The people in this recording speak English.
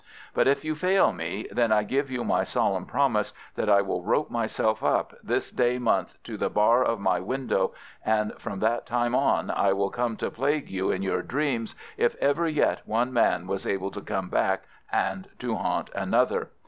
But if you fail me, then I give you my solemn promise that I will rope myself up, this day month, to the bar of my window, and from that time on I will come to plague you in your dreams if ever yet one man was able to come back and to haunt another.